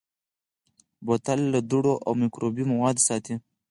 بوتل له دوړو او مکروبي موادو ساتي.